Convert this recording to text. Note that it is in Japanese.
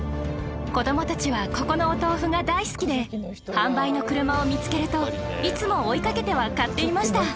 「子どもたちがここのお豆腐が大好きで販売の車を見つけるといつも追いかけては買っていました」